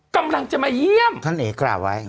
กำลังจะมาเยี่ยมท่านเอ๋กล่าวไว้